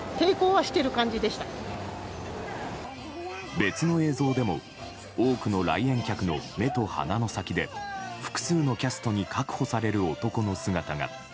別の映像でも多くの来園客の目と鼻の先で複数のキャストに確保される男の姿が。